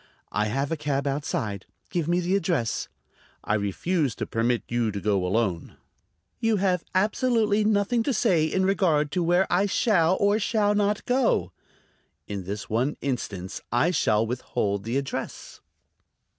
"I have a cab outside. Give me the address." "I refuse to permit you to go alone." "You have absolutely nothing to say in regard to where I shall or shall not go." "In this one instance. I shall withhold the address."